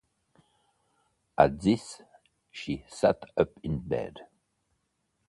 At this she sat up in bed.